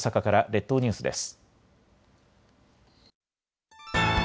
列島ニュースです。